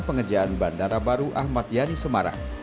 pengerjaan bandara baru ahmad yani semarang